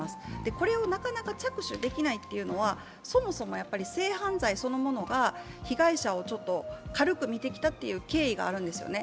これをなかなか着手できないというのは、そもそも性犯罪そのものが被害者を軽く見てきたという経緯があるんですよね。